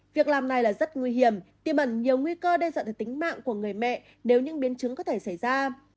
việc làm này là rất nguy hiểm tiêm ẩn nhiều nguy cơ đe dọa tính mạng của người mẹ nếu những biến chứng có thể xảy ra